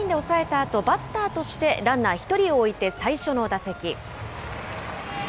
あと、バッターとしてランナー１人を置いて最初の打席。